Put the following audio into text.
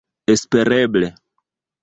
espereble